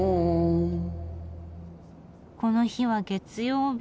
この日は月曜日。